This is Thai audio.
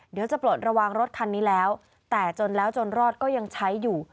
เดี๋ยวจะปลดระวังรถคันนี้แล้วแต่จนแล้วจนรอดก็ยังใช้อยู่